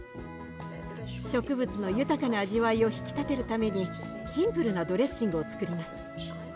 植物の豊かな味わいを引き立てるためにシンプルなドレッシングをつくります。